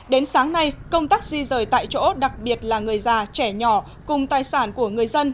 đến sáng nay công tác di rời tại chỗ đặc biệt là người già trẻ nhỏ cùng tài sản của người dân